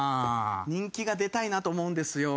人気が出たいなと思うんですよ。